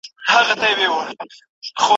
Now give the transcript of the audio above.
نه له ډوله آواز راغی نه سندره په مرلۍ کي